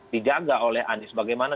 dijaga oleh anies bagaimana